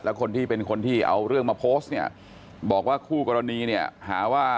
แล้วเป็นคนที่เอาเรื่องมาโพสต์บอกว่าคู่กรณีหาว่า